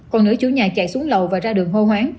còn nữ chủ nhà chạy xuống lầu và ra đường hô hoáng